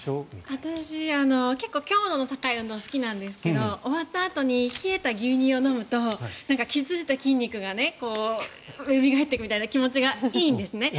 私、結構、強度の高い運動が好きなんですけど終わったあとに冷えた牛乳を飲むと傷ついた筋肉がよみがえっていくみたいな感じがいいんですね。